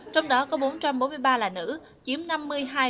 trong đó có bốn trăm bốn mươi ba là nữ chiếm năm mươi hai sáu mươi một